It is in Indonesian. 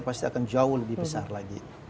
pasti akan jauh lebih besar lagi